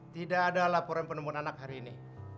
tidak ada laporan penemuan anak hari ini